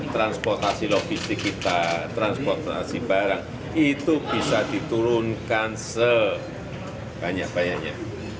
transportasi logistik kita transportasi barang itu bisa diturunkan sebanyak banyaknya